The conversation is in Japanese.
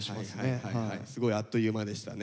すごいあっという間でしたね。